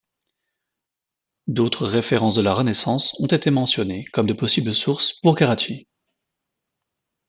D'autres références de la Renaissance ont été mentionnées comme de possibles sources pour Carracci.